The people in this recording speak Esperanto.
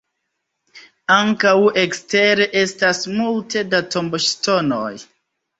Ankaŭ ekstere estas multe da tomboŝtonoj.